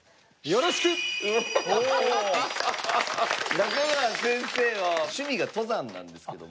中川先生は趣味が登山なんですけども。